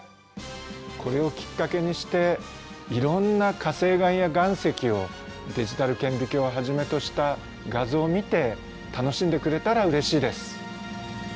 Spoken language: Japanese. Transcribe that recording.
これをきっかけにしていろんな火成岩や岩石をデジタル顕微鏡をはじめとした画像を見て楽しんでくれたらうれしいです。